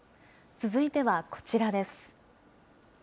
続いてはこちらです。